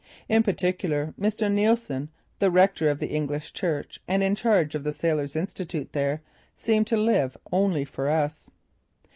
In particular Mr. Neilson, the rector of the English church and in charge of the Sailors' Institute there, seemed to live only for us.